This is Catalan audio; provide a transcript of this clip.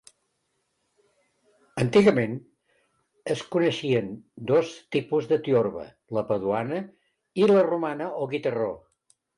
Antigament es coneixien dos tipus de tiorba; la paduana i la romana o guitarró.